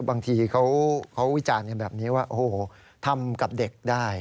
บางทีเขาวิจารณ์กันแบบนี้ว่าโอ้โหทำกับเด็กได้